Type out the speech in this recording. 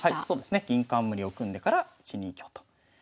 そうですね銀冠を組んでから１二香と。